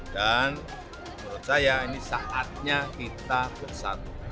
dan menurut saya ini saatnya kita bersatu